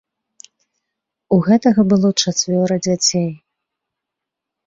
У гэтага было чацвёра дзяцей.